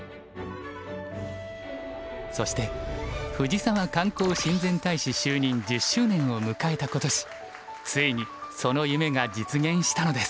そしてふじさわ観光親善大使就任１０周年を迎えた今年ついにその夢が実現したのです。